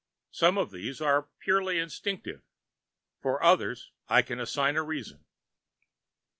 Some of these are purely instinctive, for others I can assign a reason.